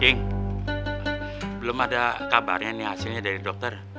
cik belum ada kabarnya hasilnya dari dokter